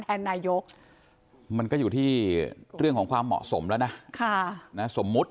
นายกมันก็อยู่ที่เรื่องของความเหมาะสมแล้วนะสมมุติ